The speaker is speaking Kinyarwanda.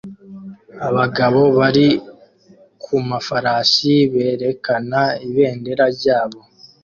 Abagabo bari ku mafarashi berekana ibendera ryabo